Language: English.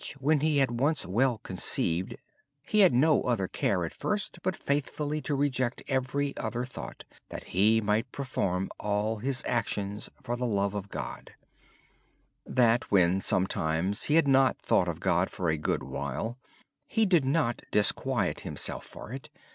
When he had once well established his faith he had no other care but to reject every other thought so he might perform all his actions for the love of God. He said when sometimes he had not thought of God for a good while he did not disquiet himself for it.